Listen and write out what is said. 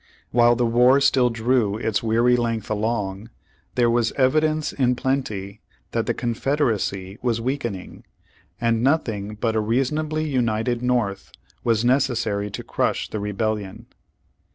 While the war still drew its weary length along, there was evidence in plenty that the Confederacy was weakening, and nothing but a reasonably united North was necessary to crush the rebellion.